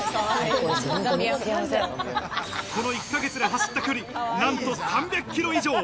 この１ヶ月で走った距離、何と３００キロ以上。